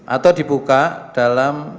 atau dibuka dalam